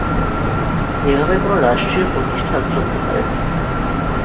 এভাবে কোনো রাষ্ট্রীয় প্রতিষ্ঠান চলতে পারে না।